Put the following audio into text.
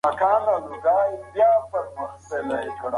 که موږ سره يو نه سو نو نېکمرغي نه راځي.